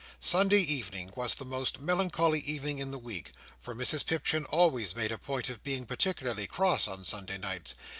Sunday evening was the most melancholy evening in the week; for Mrs Pipchin always made a point of being particularly cross on Sunday nights.